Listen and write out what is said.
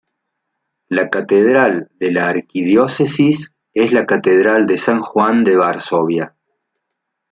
La catedral de la arquidiócesis es la Catedral de San Juan de Varsovia.